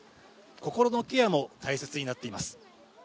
心のケアも大切になっています。